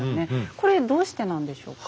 これどうしてなんでしょうか。